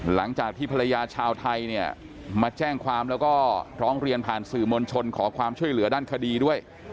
หลังจากที่ภรรยาชาวไทยเนี่ยมาแจ้งความแล้วก็ร้องเรียนผ่านสื่อมวลชนขอความช่วยเหลือด้านคดีด้วย